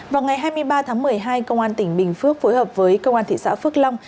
vào ngày hai mươi ba tháng một mươi hai công an tỉnh bình phước phối hợp với công an thị xã phước long